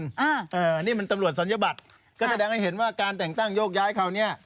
อันนี้มันตำรวจสัญบัติก็แสดงให้เห็นว่าการแต่งต้งโยกย้ายเขานี้